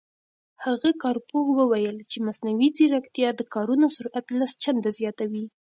هغه کارپوه وویل چې مصنوعي ځیرکتیا د کارونو سرعت لس چنده زیاتوي.